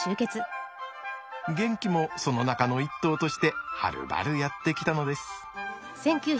ゲンキもその中の一頭としてはるばるやって来たのです。